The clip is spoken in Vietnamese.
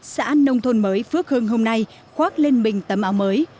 xã nông thôn mới phước hưng hôm nay khoác lên mình tấm áo mới